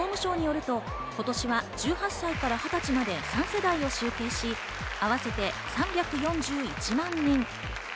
総務省によると今年は１８歳から２０歳まで３世代を集計し、合わせて３４１万人。